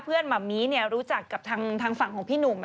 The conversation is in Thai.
หม่ำมี่รู้จักกับทางฝั่งของพี่หนุ่ม